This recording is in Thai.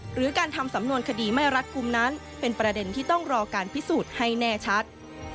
หรือการทำสำนวนคดีไม่รัดกลุ่มนั้นเป็นประเด็นที่ต้องรอการพิสูจน์ให้แน่ชัด